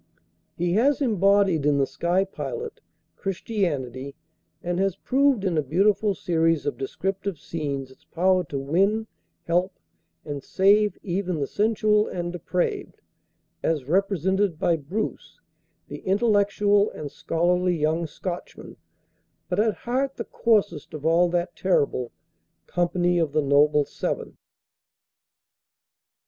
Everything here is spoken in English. He has embodied in "The Sky Pilot," Christianity; and has proved in a beautiful series of descriptive scenes its power to win, help and save even the sensual and depraved, as represented by Bruce, the intellectual and scholarly young Scotchman, but at heart the coarsest of all that terrible "Company of the Noble Seven."